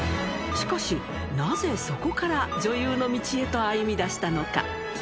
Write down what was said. しかし、なぜそこから女優の道へと歩みだしたのか。